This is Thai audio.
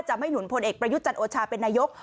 จะไม่หนุนผลเอกประยุจันโอชาเป็นนายก